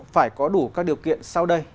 phải có đủ các điều kiện sau đây